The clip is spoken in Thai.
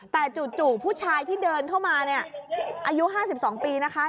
แต่จู่ผู้ชายที่เดินเข้ามาเนี่ยอายุ๕๒ปีนะคะ